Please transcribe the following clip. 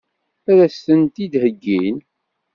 Ad as-tent-id-heggin?